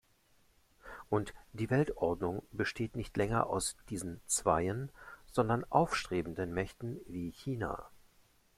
Und die Weltordnung besteht nicht länger aus diesen zweien, sondern aufstrebenden Mächten wie China.